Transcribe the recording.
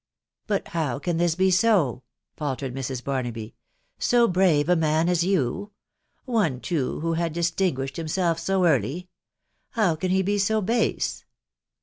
" But how can this be so ?" faltered Mrs. Barnaby. ..•" So brave a man as you !.... one, too, who had distin guished himself so early ! How can he be so base